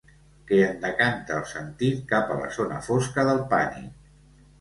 Que en decanta el sentit cap a la zona fosca del pànic.